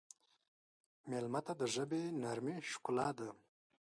مېلمه ته د ژبې نرمي ښکلا ده.